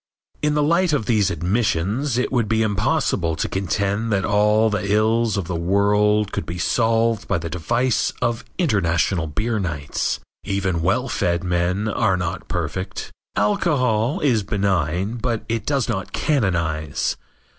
In the light of these admissions it would be impossible to contend that all the ills of the world could be solved by the device of international beer nights. Even well fed men are not perfect. Alcohol is benign, but it does not canonize.